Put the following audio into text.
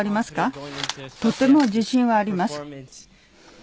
とても自信はあります。